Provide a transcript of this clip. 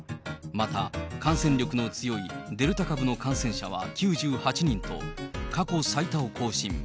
また、感染力の強いデルタ株の感染者は９８人と、過去最多を更新。